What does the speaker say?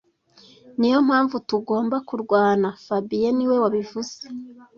Niyo mpamvu tugomba kurwana fabien niwe wabivuze